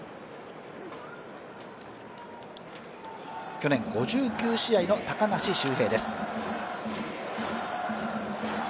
去年５９試合の高梨雄平です。